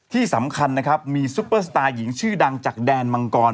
ที่สำคัญนะครับมีซุปเปอร์สตาร์หญิงชื่อดังจากแดนมังกร